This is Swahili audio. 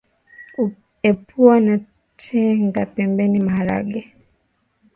Epua na tenga pembeni maharage